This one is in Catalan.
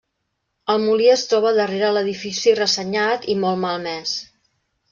El molí es troba darrere l'edifici ressenyat i molt malmés.